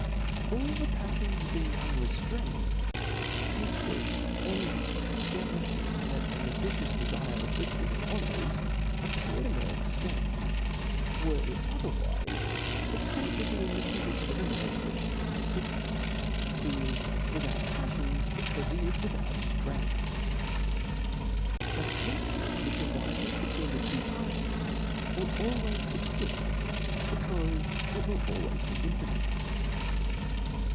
cbap. %f^ All the paffions being UDreftrained, hatred, envy, jealotify, and an ambitious define of riches and honors, appear in their fuU extent : were it others wife the ftace would be in the condition of a man weakened by ficknefs, who h l^^ithout pafliions, be* . caufe he is without ftrepgch. The hatred which ariies between the two parties will always fubfift, becaufe it wili always be im potent.